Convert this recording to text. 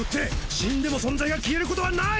死んでも存在が消えることはない！